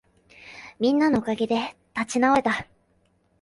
みんなのおかげで立ち直れた